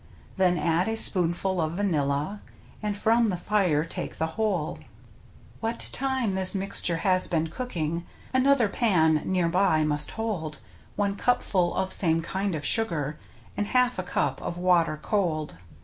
Then add a spoonful of vanilla, _ And from the fire take the whole. 57 ix^^mtrn Mtttiptn \r^ What time this mixture has been cooking. Another pan near by must hold One cupful of same kind of sugar, And half a cup of water cold.